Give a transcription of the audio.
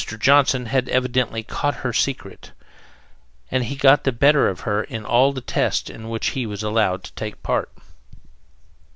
Johnson had evidently caught her secret, and he got the better of her in all the tests in which he was allowed to take part.